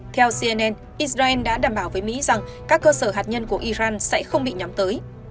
theo cnn israel đã đảm bảo với mỹ rằng các cơ sở hạt nhân của iran sẽ không bị nhắm tới